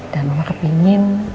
dan mama kepengen